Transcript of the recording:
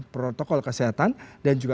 protokol kesehatan dan juga